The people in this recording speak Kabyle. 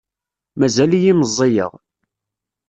Mazal-iyi meẓẓiyeɣ.